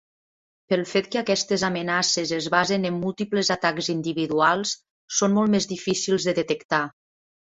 Pel fet que aquestes amenaces es basen en múltiples atacs individuals, són molt més difícils de detectar.